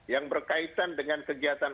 yang berkaitan dengan kegiatan